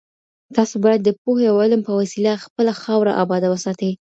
تاسو بايد د پوهي او علم په وسيله خپله خاوره اباده وساتئ.